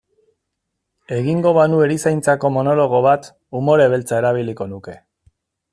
Egingo banu erizainentzako monologo bat, umore beltza erabiliko nuke.